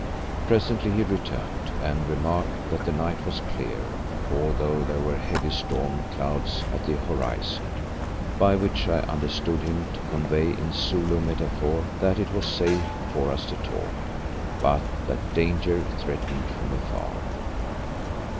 Presently he returned and remarked that the night was clear although there were heavy storm clouds on the horizon, by which I understood him to convey in Zulu metaphor that it was safe for us to talk, but that danger threatened from afar.